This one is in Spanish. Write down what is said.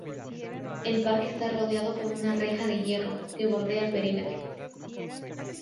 El parque está rodeado por una reja de hierro que bordea el perímetro.